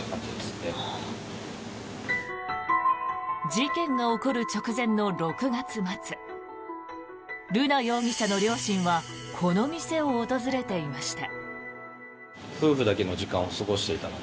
事件が起こる直前の６月末瑠奈容疑者の両親はこの店を訪れていました。